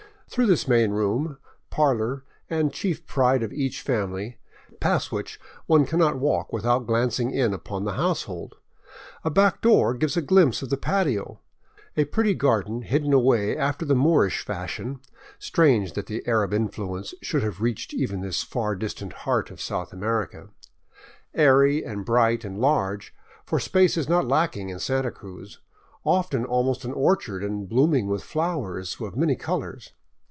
Through this main room, parlor, and chief pride of each family, past which one cannot walk without glancing in upon the household, a back door gives a glimpse of the patio, a pretty garden hidden away after the Moorish fashion — strange that the Arab influence should have reached even this far distant heart of South America — airy and bright and large, for space is not lacking in Santa Cruz, often almost an orchard and blooming with flowers of many colors.